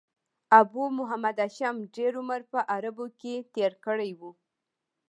ابو محمد هاشم ډېر عمر په عربو کښي تېر کړی وو.